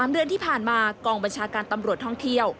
๓เดือนที่ผ่านมากองบัญชาการตำรวจท่องเที่ยว